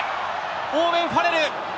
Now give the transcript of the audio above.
オーウェン・ファレル。